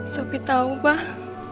sopi tahu mbah